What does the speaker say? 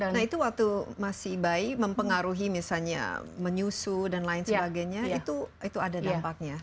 nah itu waktu masih bayi mempengaruhi misalnya menyusu dan lain sebagainya itu ada dampaknya